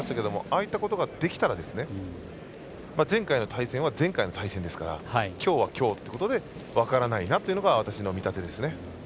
ああいうふうにできたら前回の対戦は前回の対戦ですからきょうはきょうっていうことで分からないなっていうのが私の見立てですね。